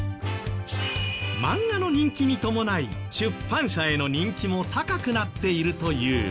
マンガの人気に伴い出版社への人気も高くなっているという。